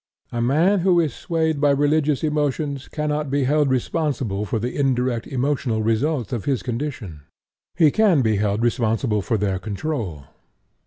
A man who is swayed by religious emotions cannot be held responsible for the indirect emotional results of his condition; he can be held responsible for their control.